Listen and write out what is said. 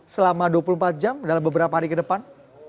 selama dua puluh empat jam dalam beberapa hari ke depan